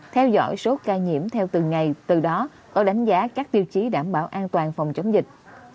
theo dõi số ca nhiễm theo từng ngày từ đó có đánh giá các tiêu chí đảm bảo an toàn phòng chống dịch